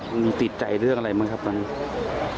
มันติดใจเรื่องอะไรมั้งครับตอนนี้